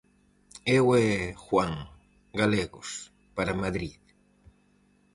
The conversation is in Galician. Eu e Juan, galegos, para Madrid...